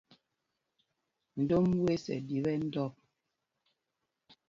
Ndom wes ɛ ɗi ɓɛ ndɔ̂p.